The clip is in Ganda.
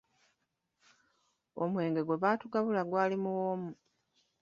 Omwenge gwe baatugabula gwali muwoomu.